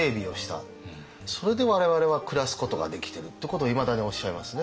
それで我々は暮らすことができてるってことをいまだにおっしゃいますね。